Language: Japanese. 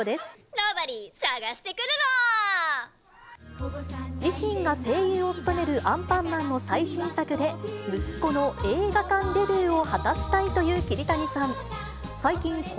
ロボリィ、自身が声優を務めるアンパンマンの最新作で、息子の映画館デビューを果たしたいという桐谷さん。